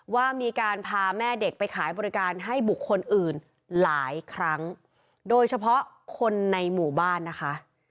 ว่ามีการพาแม่เด็กไปขายบริการให้บุคคลอื่นหลายครั้งโดยเฉพาะคนในหมู่บ้านนะคะ